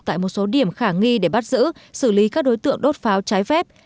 tại một số điểm khả nghi để bắt giữ xử lý các đối tượng đốt pháo trái phép